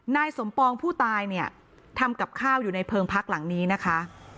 นายสมปองผู้ตายเนี่ยทำกับข้าวอยู่ในเพลิงพักหลังนี้นะคะ